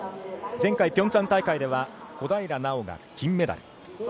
前回ピョンチャン大会では小平奈緒が金メダル。